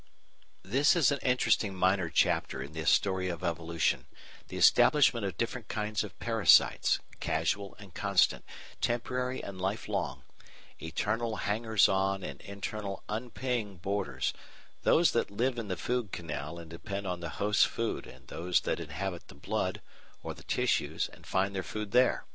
This is an interesting minor chapter in the story of evolution the establishment of different kinds of parasites, casual and constant, temporary and lifelong, external hangers on and internal unpaying boarders, those that live in the food canal and depend on the host's food and those that inhabit the blood or the tissues and find their food there.